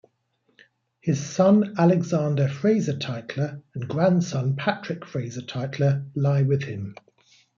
His son Alexander Fraser Tytler and grandson Patrick Fraser Tytler lie with him.